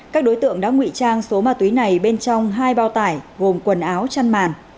các đối tượng đã ngụy trang số ma túy này bên trong hai bao tải gồm quần áo chăn màn